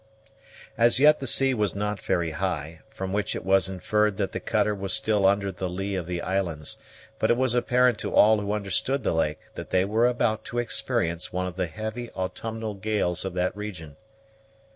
As yet the sea was not very high, from which it was inferred that the cutter was still under the lee of the islands; but it was apparent to all who understood the lake that they were about to experience one of the heavy autumnal gales of that region.